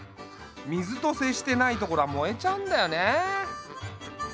水と接してない所は燃えちゃうんだよね。